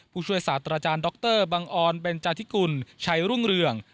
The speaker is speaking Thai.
ผู้ช่วยศาสตราจารย์ดรบังออนเบนจาธิกุลชัยรุ่งเรือง